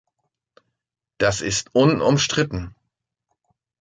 Das ist unumstritten.